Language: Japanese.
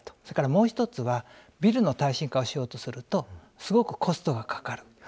それからもう１つはビルの耐震化をしようとするとすごくコストがかかる。